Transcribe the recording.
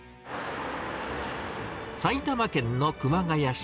埼玉県の熊谷市。